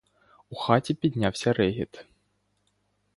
У хаті піднявся регіт.